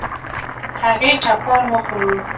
هغې ټکان وخوړ.